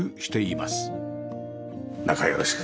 中よろしく。